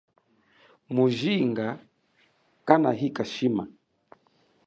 Mujinga kanahika shima.